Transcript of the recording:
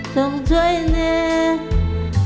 ช่องช่วยเนค